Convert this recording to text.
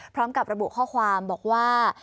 พร้อมกับระบุข้อความบอกว่า